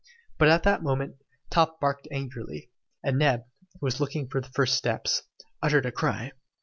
But at that moment, Top barked angrily, and Neb, who was looking for the first steps, uttered a cry.